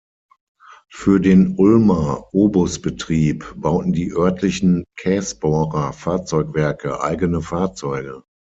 Für den Ulmer Obusbetrieb bauten die örtlichen Kässbohrer Fahrzeugwerke eigene Fahrzeuge.